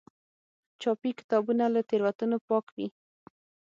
چاپي کتابونه له تېروتنو پاک وي.